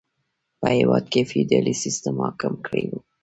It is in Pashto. په هېواد کې فیوډالي سیستم حاکم کړی و.